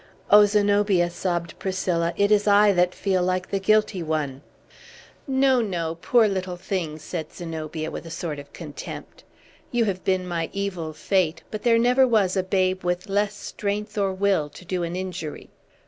"O Zenobia," sobbed Priscilla, "it is I that feel like the guilty one!" "No, no, poor little thing!" said Zenobia, with a sort of contempt. "You have been my evil fate, but there never was a babe with less strength or will to do an injury.